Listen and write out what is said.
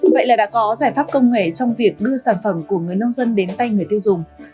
vậy là đã có giải pháp công nghệ trong việc đưa sản phẩm của người nông dân đến tay người tiêu dùng